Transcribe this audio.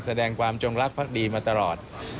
แสดงความจงรักภักดีมาตลอด